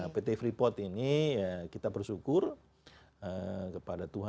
pt freeport ini kita bersyukur kepada tuhan